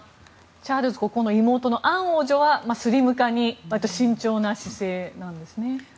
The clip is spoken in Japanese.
チャールズ国王の妹のアン王女はスリム化に割と慎重な姿勢なんですね。